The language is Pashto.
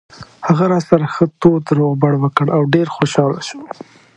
هغه راسره ښه تود روغبړ وکړ او ډېر خوشاله شو.